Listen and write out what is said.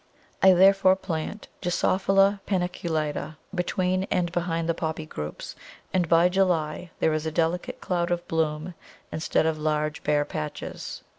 I therefore plant Gypsophila paniculata between and behind the Poppy groups, and by July there is a delicate cloud of bloom instead of large bare patches.